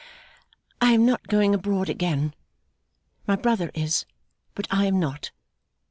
'I am not going abroad again. My brother is, but I am not.